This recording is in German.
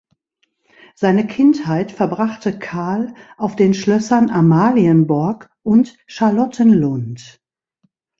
Seine Kindheit verbrachte Carl auf den Schlössern Amalienborg und Charlottenlund.